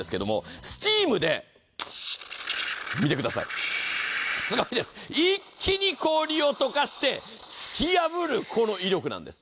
スチームで見てください、すごいです、一気に氷をとかして突き破る威力なんです。